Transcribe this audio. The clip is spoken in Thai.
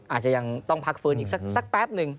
อาจจะยังต้องพักฟื้นอีกสักแป๊บหนึ่ง